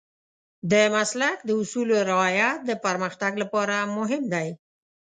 د مسلک د اصولو رعایت د پرمختګ لپاره مهم دی.